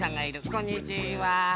こんにちは。